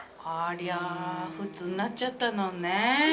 ありゃ普通になっちゃたのね。